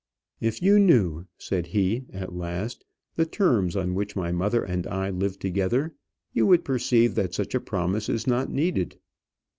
"If you knew," said he, at last, "the terms on which my mother and I live together, you would perceive that such a promise is not needed."